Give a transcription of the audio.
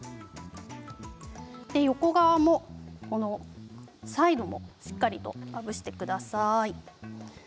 横側も、サイドもしっかりとまぶしてください。